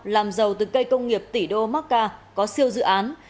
làm giàu từ cây công nghiệp tỷ đô macca có siêu dự án